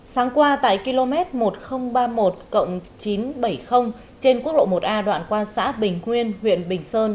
sáng qua tại km một nghìn ba mươi một chín trăm bảy mươi trên quốc lộ một a đoạn qua xã bình quyên huyện bình sơn